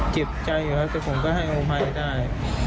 เจ็บใจไว้แต่ผมก็ให้ทำให้ได้